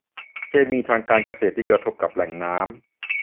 เคมีทางการเกษตรที่กระทบกับแหล่งน้ำ